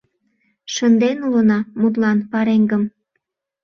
Шынден улына, мутлан, пареҥгым.